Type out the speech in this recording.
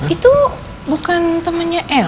itu bukan temennya el